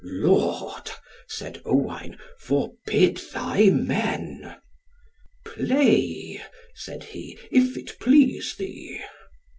"Lord," said Owain, "forbid thy men." "Play," said he "if it please thee."